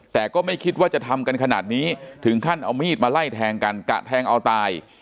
แต่ก็ไม่คิดว่าจะทำกันขนาดนี้ถึงขั้นเอามีดมาไล่แทงกันกะแทงเอาตาย